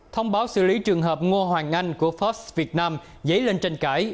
thông báo xử lý trường hợp ngo hoàng anh của forbes việt nam dấy lên tranh cãi